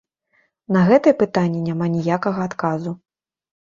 На гэтае пытанне няма ніякага адказу.